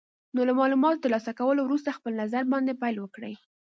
نو له مالوماتو تر لاسه کولو وروسته خپل نظر باندې پیل وکړئ.